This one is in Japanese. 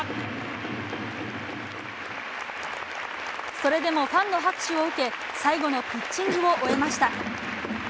それでもファンの拍手を受け最後のピッチングを終えました。